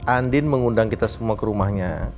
andin mengundang kita semua ke rumahnya